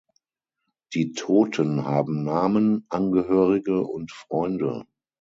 Die Toten haben Namen, Angehörige und Freunde.